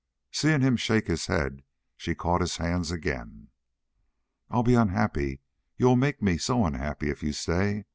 Seeing him shake his head, she caught his hands again. "I'll be unhappy. You'll make me so unhappy if you stay.